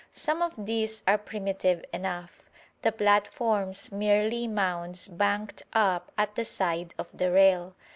Some of these are primitive enough, the platforms merely mounds banked up at the side of the rail.